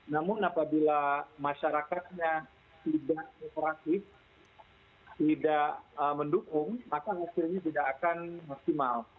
namun apabila masyarakatnya tidak kooperatif tidak mendukung maka hasilnya tidak akan maksimal